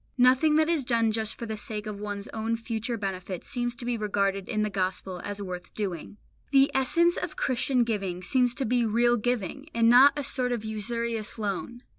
Nothing that is done just for the sake of one's own future benefit seems to be regarded in the Gospel as worth doing. The essence of Christian giving seems to be real giving, and not a sort of usurious loan.